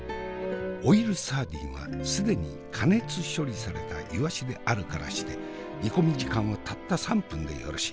オイルサーディンは既に加熱処理されたいわしであるからして煮込み時間はたった３分でよろし。